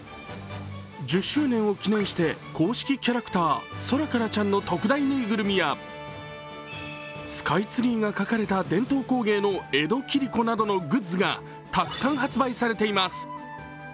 １０周年を記念して、公式キャラクター、ソラカラちゃんの特大ぬいぐるみや、スカイツリーが描かれた伝統工芸の江戸切子などのグッズがたくさん発売されています。